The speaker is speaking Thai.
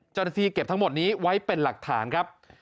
จรภีร์เก็บทั้งหมดนี้ไว้เป็นหลักฐานครับ